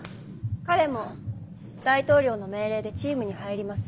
彼も大統領の命令でチームに入ります。